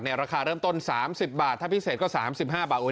เนี่ยราคาเริ่มต้นสามสิบบาทถ้าพิเศษก็สามสิบห้าบาทอุ้ย